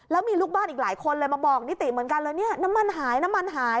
แล้วมีลูกบ้านอีกหลายคนเลยมาบอกนิติเหมือนกันเลยเนี่ยน้ำมันหายน้ำมันหาย